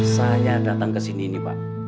saya datang kesini nih pak